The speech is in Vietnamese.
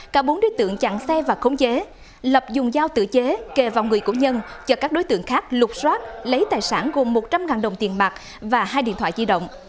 cả bốn đối tượng chặn xe và khống chế lập dùng dao tự chế kề vào người của nhân cho các đối tượng khác lục xoát lấy tài sản gồm một trăm linh đồng tiền mặt và hai điện thoại di động